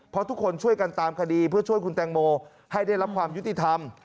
เพราะทุกคนช่วยกันตามคดีเพื่อช่วยคุณแตงโมให้ได้รับความยุติธรรม